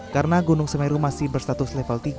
karena gunung semeru masih berstatus level tiga